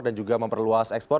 dan juga memperluas ekspor